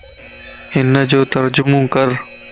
انَ جو ترجمو ڪَر